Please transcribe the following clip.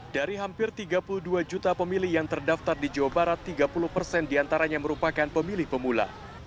dari hampir tiga puluh dua juta pemilih yang terdaftar di jawa barat tiga puluh persen diantaranya merupakan pemilih pemula